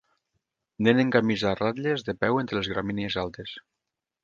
Nen en camisa a ratlles de peu entre les gramínies altes